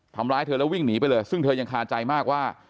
ทำร้ายเธอแล้ววิ่งหนีไปเลยซึ่งเธอยังคาใจมากว่า